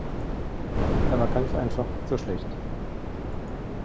Er war ganz einfach zu schlecht.